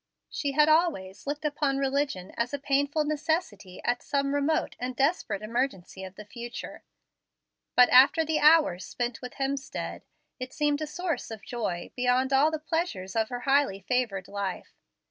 She had always looked upon religion as a painful necessity at some remote and desperate emergency of the future; but, after the hours spent with Hemstead, it seemed a source of joy beyond all the pleasures of her highly favored life.